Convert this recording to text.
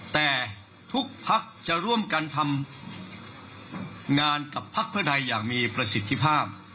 แต่ทุกภักดิ์จะร่วมกันทำงานกับพักเพื่อไทยอย่างมีประสิทธิภาพ